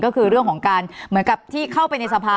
ก็คือเรื่องของการเหมือนกับที่เข้าไปในสภา